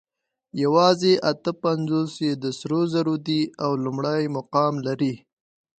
یواځې اته پنځوس یې د سرو زرو دي او لومړی مقام لري